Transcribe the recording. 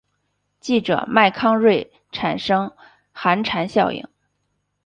记者麦康瑞产生寒蝉效应。